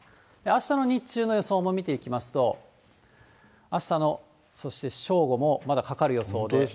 あしたの日中の予想も見ていきますと、あしたの、そして正午も、まだかかる予想です。